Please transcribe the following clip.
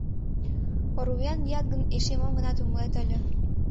Орвуян лият гын, эше мом-гынат умылет ыле.